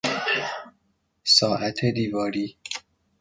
ساعت دیواری